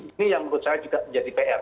ini yang menurut saya juga menjadi pr